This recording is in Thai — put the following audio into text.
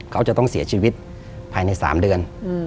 เขาจะต้องเสียชีวิตภายใน๓เดือน